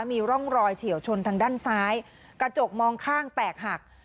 มีร่องรอยเฉียวชนทางด้านซ้ายกระจกมองข้างแตกหัก